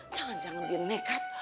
jangan jangan dia nekat